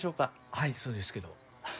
はいそうですけど。